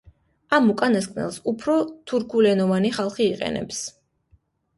ამ უკანასკნელს უფრო თურქულენოვანი ხალხი იყენებს.